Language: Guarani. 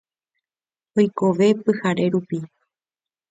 Oikove pyhare rupi.